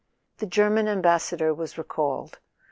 The German Am¬ bassador was recalled.